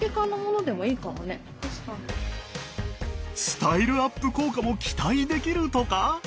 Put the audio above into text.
スタイルアップ効果も期待できるとか！？